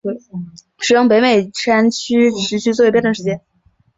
使用北美山区时区作为标准时间。